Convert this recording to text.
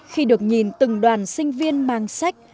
khi được nhìn từng đoàn sinh viên mang sách